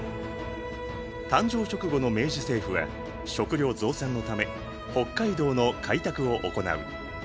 誕生直後の明治政府は食料増産のため北海道の開拓を行う。